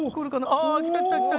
あ来た来た来た。